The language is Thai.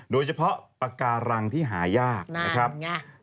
โดยเฉพาะปากการังที่หายากนะครับ